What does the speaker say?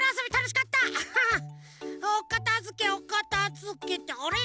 おかたづけおかたづけってあれ？